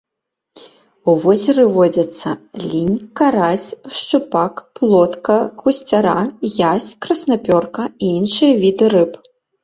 У возеры водзяцца лінь, карась, шчупак, плотка, гусцяра, язь, краснапёрка і іншыя віды рыб.